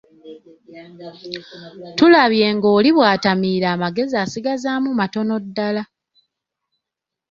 Tulabye ng'oli bw'atamiira amagezi asigazaamu matono ddala.